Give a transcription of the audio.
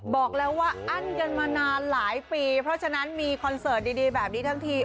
บอกแล้วว่าอั้นกันมานานหลายปีเพราะฉะนั้นมีคอนเสิร์ตดีแบบนี้ทั้งที